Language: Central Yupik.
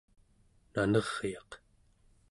naneryaq